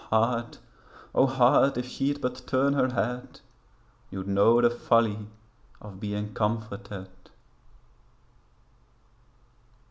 O heart, O heart, if she'd but turn her head, You'd know the folly of being comforted.